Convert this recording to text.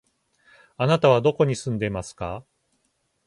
あなたはどこに住んでいますか？